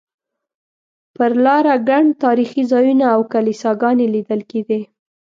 پر لاره ګڼ تاریخي ځایونه او کلیساګانې لیدل کېدې.